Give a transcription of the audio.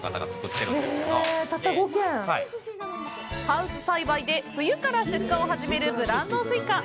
ハウス栽培で冬から出荷を始めるブランドスイカ。